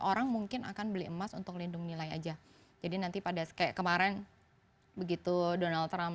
orang mungkin akan beli emas untuk lindung nilai aja jadi nanti pada kayak kemarin begitu donald trump